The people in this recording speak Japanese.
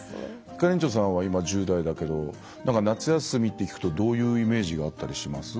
ひかりんちょさんは今１０代だけど夏休みって聞くとどういうイメージがあったりします？